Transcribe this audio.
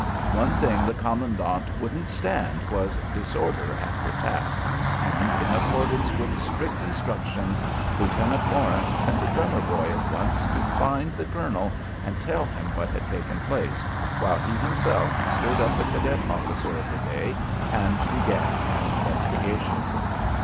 One thing the commandant wouldn't stand was disorder after "taps," and, in accordance with strict instructions, Lieutenant Lawrence sent a drummer boy at once to find the colonel and tell him what had taken place, while he himself stirred up the cadet officer of the day and began an investigation.